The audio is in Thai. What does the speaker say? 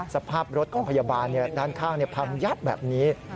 สภาพรถของพยาบาลด้านข้างพังยับแบบนี้